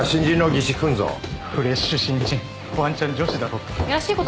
フレッシュ新人ワンチャン女子だろう。